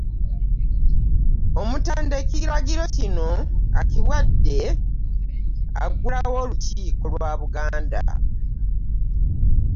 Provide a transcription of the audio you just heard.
Omutanda ekiragiro kino akiwadde aggulawo Olukiiko lwa Buganda